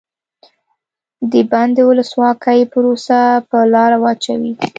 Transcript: د بن د ولسواکۍ پروسه په لاره واچوي.